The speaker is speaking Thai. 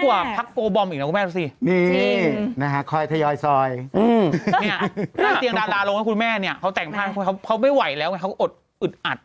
เขาแต่งผ้าเขาไม่ไหวแล้วเลยเขาอดอึดอัด